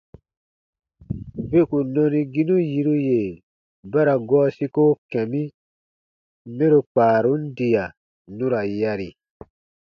Beku nɔniginu yiru yè ba ra gɔɔ siko kɛ̃ mi mɛro kpaarun diya nu ra yari.